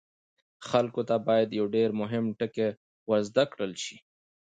خلکو ته باید یو ډیر مهم ټکی ور زده کړل شي.